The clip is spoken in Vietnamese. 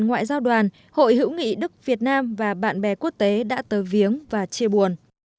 ngoại giao đoàn hội hữu nghị đức việt nam và bạn bè quốc tế đã tờ viếng và chia buồn